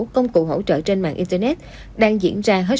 công cụ hỗ trợ trên mạng internet đang diễn ra hết